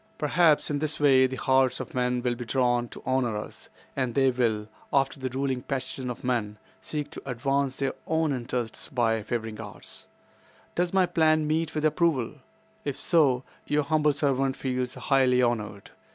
Perhaps in this way the hearts of men will be drawn to honor us, and they will—after the ruling passion of men—seek to advance their own interests by favoring ours. Does my plan meet with approval? If so, your humble servant feels highly honored."